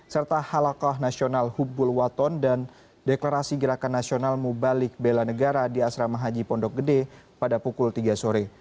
serta halakah nasional hubbul waton dan deklarasi gerakan nasional mubalik bela negara di asrama haji pondok gede pada pukul tiga sore